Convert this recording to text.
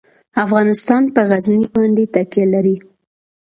افغانستان په غزني باندې تکیه لري.